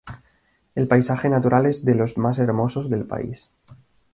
El paisaje natural es de los más hermosos del país.